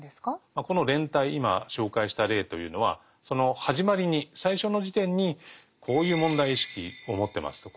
この連帯今紹介した例というのはその始まりに最初の時点に「こういう問題意識を持ってます」と。